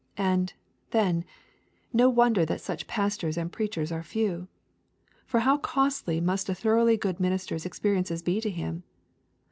And, then, no wonder that such pastors and preachers are few. For how costly must a thoroughly good minister's experience be to him!